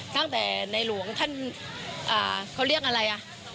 ตั้งแต่ในหลวงท่านเขาเรียกอะไรอ่ะ